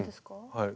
はい。